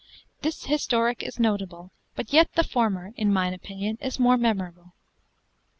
This historic is notable, but yet the former (in mine opinion) is more memorable.